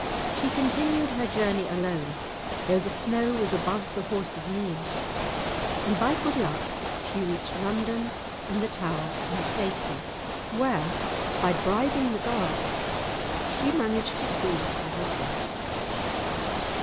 She continued her journey alone, though the snow was above the horse's knees, and by good luck she reached London and the Tower in safety, where, by bribing the guards, she managed to see her husband.